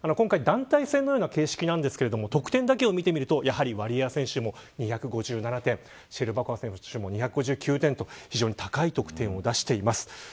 今回、団体戦のような形式なんですが得点だけを見てみるとワリエワ選手も２５７点シェルバコワ選手も２５９点と非常に高い得点を出しています。